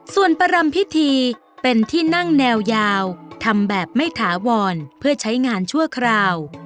ส่วนประรำพิธีเป็นที่นั่งแนวยาวทำแบบไม่ถาวรเพื่อใช้งานชั่วคราว